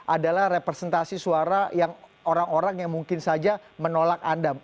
adalah representasi suara yang orang orang yang mungkin saja menolak anda